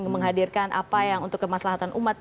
menghadirkan apa yang untuk kemaslahatan umat